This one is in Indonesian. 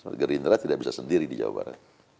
sebenarnya gerindra tidak bisa sendiri di jakarta